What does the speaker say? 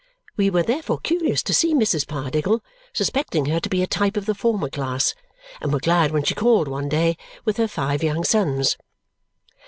We were therefore curious to see Mrs. Pardiggle, suspecting her to be a type of the former class, and were glad when she called one day with her five young sons.